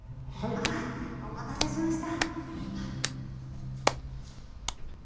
あっお待たせしました。